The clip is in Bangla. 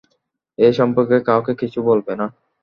এ সম্পর্কে কাউকে কিছু বলবে না।